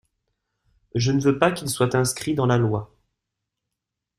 Je ne veux pas qu’il soit inscrit dans la loi.